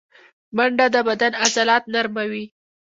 منډه د بدن عضلات نرموي